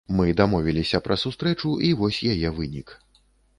Мы дамовіліся пра сустрэчу, і вось яе вынік.